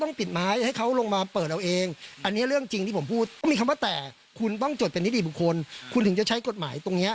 ปิดไม้ให้เขาลงมาเปิดเอาเองอันนี้เรื่องจริงที่ผมพูดต้องมีคำว่าแต่คุณต้องจดเป็นนิติบุคคลคุณถึงจะใช้กฎหมายตรงเนี้ย